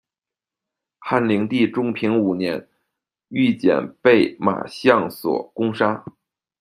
汉灵帝中平五年郤俭被马相所攻杀。